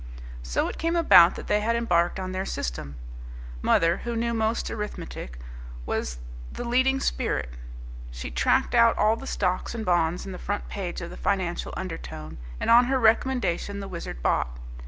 So it came about that they had embarked on their system. Mother, who knew most arithmetic, was the leading spirit. She tracked out all the stocks and bonds in the front page of the Financial Undertone, and on her recommendation the Wizard bought.